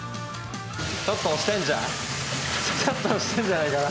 ちょっと押してんじゃん。